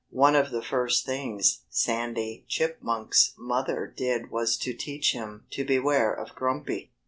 One of the first things Sandy Chipmunk's mother did was to teach him to beware of Grumpy.